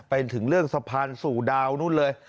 ไปถึงเรื่องสะพานสู่ดาวนู่นเลย